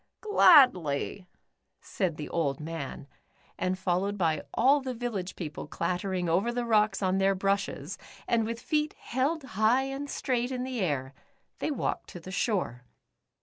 "Gladly," said the old man, and followed by all the village people clattering over the rocks on their brushes, and with feet held high and straight in air, they walked to the shore.